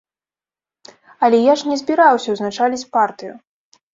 Але я ж не збіраўся ўзначаліць партыю!